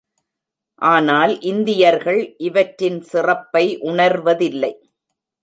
ஆனால் இந்தியர்கள் இவற்றின் சிறப்பை உணர்வதில்லை.